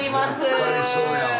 やっぱりそうやわ。